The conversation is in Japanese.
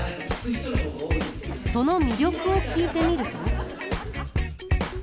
その魅力を聞いてみると。